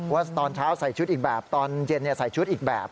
ว่าตอนเช้าใส่ชุดอีกแบบตอนเย็นใส่ชุดอีกแบบ